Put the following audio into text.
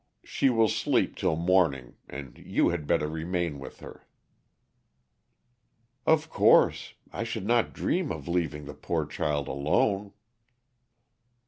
She will sleep till morning, and you had better remain with her." "Of course, I should not dream of leaving the poor child alone."